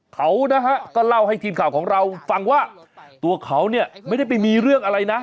เขาก็เล่าให้ทีมข่าวของเราฟังว่าตัวเขาเนี่ยไม่ได้ไปมีเรื่องอะไรนะ